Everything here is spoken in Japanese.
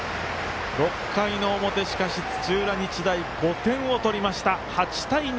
６回の表、土浦日大５点を取りました、８対２。